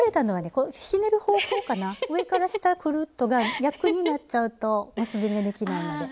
上から下くるっとが逆になっちゃうと結び目できないので。